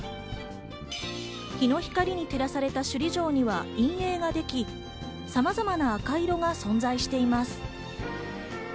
日の光に照らされた首里城には陰影ができ、さまざまな赤色が存在しています。